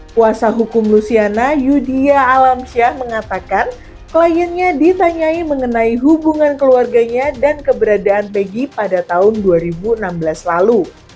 kuasa hukum luciana yudia alamsyah mengatakan kliennya ditanyai mengenai hubungan keluarganya dan keberadaan peggy pada tahun dua ribu enam belas lalu